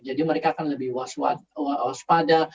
mereka akan lebih waspada